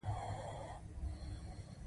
د ایرېس بونې سیاره ده.